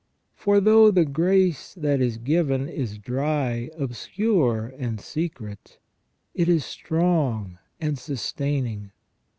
For though the grace that is given is dry, obscure, and secret, it is strong and sustaining.